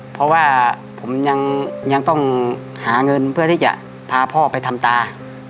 เพราะว่าผมยังต้องหาเงินเพื่อที่จะพาพ่อไปทำตา